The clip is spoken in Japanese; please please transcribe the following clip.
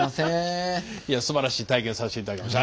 すばらしい体験させていただきました。